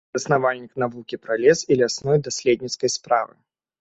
Заснавальнік навукі пра лес і лясной даследніцкай справы.